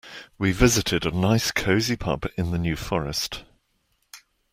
We visited a nice cosy pub in the New Forest.